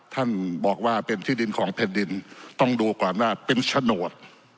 ท่านบอกว่าเป็นที่ดินของแผ่นดินต้องดูก่อนว่าเป็นโฉนด